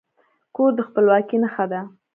کور د خپلواکي نښه ده.